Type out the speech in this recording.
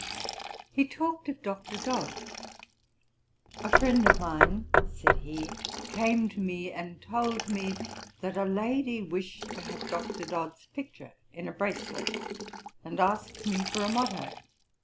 He talked of Dr. Dodd. 'A friend of mine, (said he,) came to me and told me, that a lady wished to have Dr. Dodd's picture in a bracelet, and asked me for a motto.